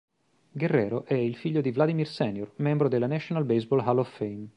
Guerrero è il figlio di Vladimir Sr., membro della National Baseball Hall of Fame.